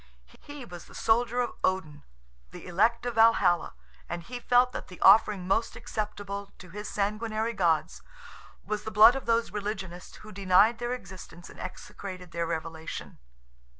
He was the soldier of Odin, the elect of Valhalla; and he felt that the offering most acceptable to his sanguinary gods was the blood of those religionists who denied their existence and execrated their revelation.